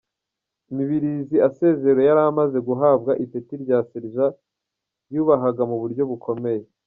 Mibirizi asezerewe yari amaze guhabwa ipeti rya Sergent yubahaga mu buryo bukomeye.